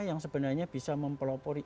yang sebenarnya bisa mempelopori